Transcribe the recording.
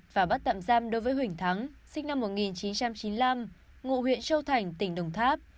và bắt tạm giam đối với huỳnh thắng sinh năm một nghìn chín trăm chín mươi năm ngụ huyện châu thành tỉnh đồng tháp